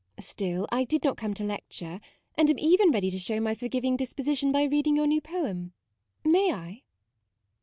Still, I did not come to lec ture; and am even ready to show my forgiving disposition by reading your new poem: may I